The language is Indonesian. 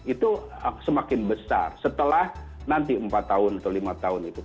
itu semakin besar setelah nanti empat tahun atau lima tahun itu